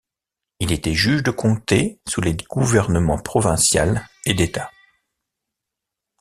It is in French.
Il était juge de comté sous les gouvernements provincial et d'État.